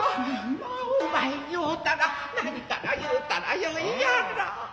まあお前に会うたら何から言うたらよいやら。